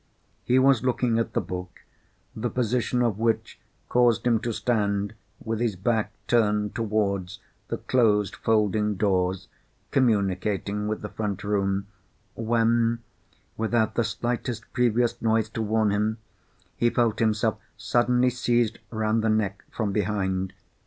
He was looking at the book, the position of which caused him to stand with his back turned towards the closed folding doors communicating with the front room, when, without the slightest previous noise to warn him, he felt himself suddenly seized round the neck from behind.